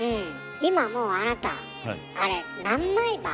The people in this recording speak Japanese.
今もうあなたあれ何枚刃？